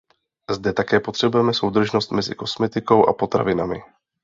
Zde také potřebujeme soudržnost mezi kosmetikou a potravinami.